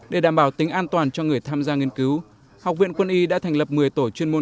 để đảm bảo tính an toàn cho người tham gia nghiên cứu học viện quân y đã thành lập một mươi tổ chuyên môn